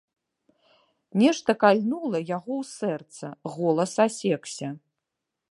Нешта кальнула яго ў сэрца, голас асекся.